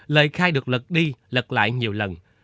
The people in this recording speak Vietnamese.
lời khai được lật đi lật lại nhiều lần